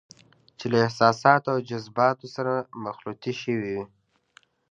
چې له احساساتو او جذباتو سره مخلوطې شوې وي.